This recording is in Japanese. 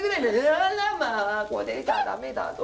「あらまあこれじゃ駄目だ」と。